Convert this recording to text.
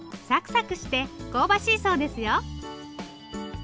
サクサクして香ばしいそうですよ。